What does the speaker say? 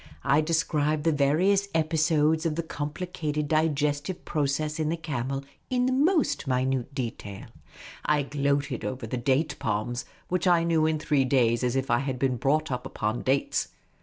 I described the various episodes of the compli cated digestive process in the camel in the minutest detail. I gloated over the date palms, which I knew in three days as if I had been brought up upon dates.